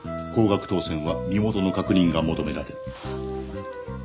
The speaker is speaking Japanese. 高額当選は身元の確認が求められる。